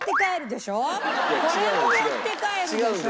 これも持って帰るでしょ。